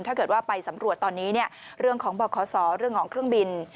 ถ้าเกิดว่าไปสำรวจตอนนี้เรื่องของบขเรื่องของเครื่องบิน